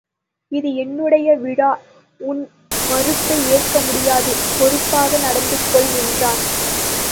இது என்னுடைய விழா உன் மறுப்பை ஏற்க முடியாது பொறுப்பாக நடந்து கொள் என்றான்.